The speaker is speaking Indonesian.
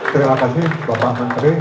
terima kasih bapak menteri